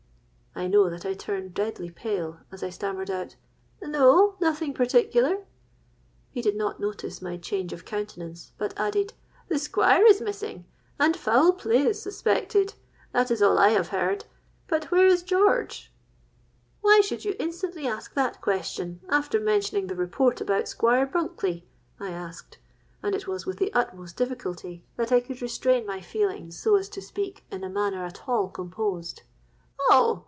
'—I know that I turned deadly pale, as I stammered out, 'No, nothing particular.'—He did not notice my change of countenance, but added, 'The Squire is missing, and foul play is suspected. That is all I have heard. But where is George?'—'Why should you instantly ask that question, after mentioning the report about Squire Bulkeley?' I asked; and it was with the utmost difficulty that I could restrain my feelings so as to speak in a manner at all composed.—'Oh!